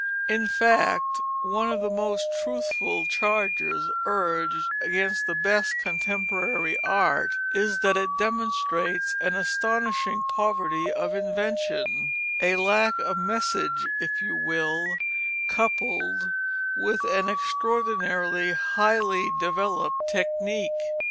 In fact, one of the most truthful charges urged against the best contemporary art is that it demonstrates an astonishing poverty of invention, a lack of message, if you will, coupled with an extraordinarily highly developed technique.